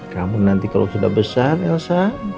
kamu nanti kalau sudah besar elsa